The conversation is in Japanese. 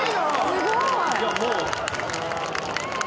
すごーい。